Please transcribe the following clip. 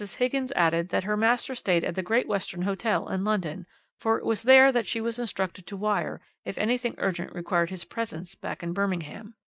Higgins added that her master stayed at the Great Western Hotel in London, for it was there that she was instructed to wire if anything urgent required his presence back in Birmingham.